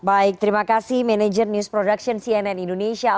baik terima kasih manager news production cnn indonesia